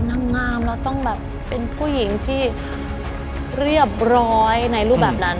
นางงามเราต้องแบบเป็นผู้หญิงที่เรียบร้อยในรูปแบบนั้น